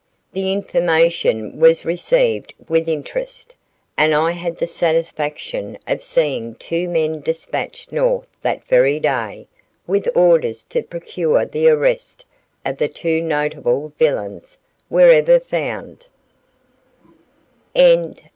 The information was received with interest and I had the satisfaction of seeing two men despatched north that very day with orders to procure the arrest of the two notable villains wherever found.